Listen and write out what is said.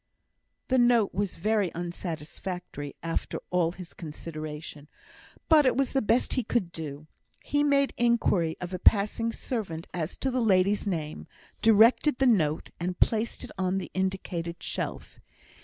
The note was very unsatisfactory after all his consideration, but it was the best he could do. He made inquiry of a passing servant as to the lady's name, directed the note, and placed it on the indicated shelf.